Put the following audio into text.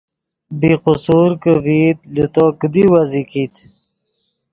بی قصور کہ ڤئیت لے تو کیدی ویزی کیت